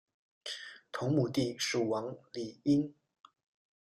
同母弟蜀王李愔。